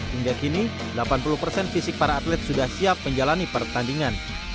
hingga kini delapan puluh persen fisik para atlet sudah siap menjalani pertandingan